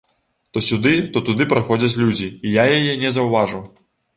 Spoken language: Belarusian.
То сюды, то туды праходзяць людзі, і яе не заўважыў.